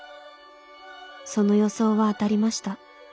その予想は当たりました。